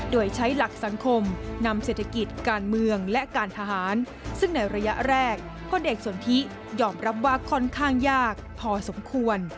โดยใช้หลักสังคมนำเศรษฐกิจการเมืองและการทหารซึ่งในระยะแรกพลเอกสนทิยอมรับว่าค่อนข้างยากพอสมควร